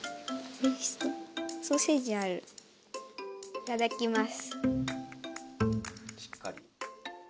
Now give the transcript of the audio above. いただきます。